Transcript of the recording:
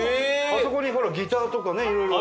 あそこにほらギターとかねいろいろ。